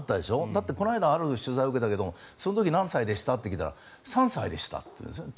だってこの間ある取材を受けたけれどもその時に何歳でした？って聞いたら３歳だって言うんですよね。